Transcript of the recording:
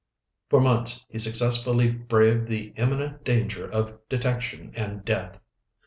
For months he successfully braved the imminent danger of detection and death.